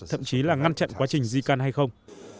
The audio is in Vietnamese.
thậm chí là ngăn chặn quá trình di căn hay không